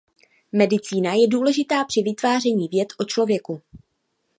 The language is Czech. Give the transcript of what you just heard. Medicína je důležitá při vytváření věd o člověku.